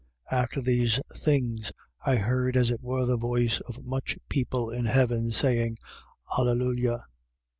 19:1. After these things, I heard as it were the voice of much people in heaven, saying: Alleluia.